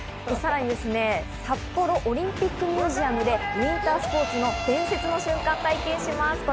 さらにですね、札幌オリンピックミュージアムでウインタースポーツの伝説の瞬間を体験します。